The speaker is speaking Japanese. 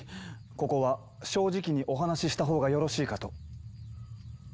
ここは正直にお話ししたほうがよろしいかと。